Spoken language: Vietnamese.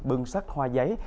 bưng sắt hoa giấy